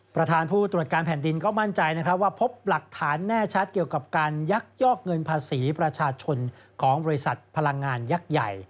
ประธานผู้ตรวจการแผ่นดินก็มั่นใจนะครับว่าพบหลักฐานแน่ชัดเกี่ยวกับการยักยอกเงินภาษีประชาชนของบริษัทพลังงานยักษ์ใหญ่